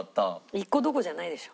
１個どころじゃないでしょ。